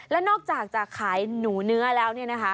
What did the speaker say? แล้วนอกจากจะขายหนูเนื้อแล้วเนี่ยนะคะ